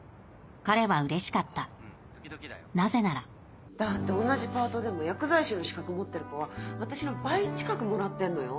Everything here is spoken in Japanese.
彼はうれしかったなぜならだって同じパートでも薬剤師の資格を持ってる子は私の倍近くもらってんのよ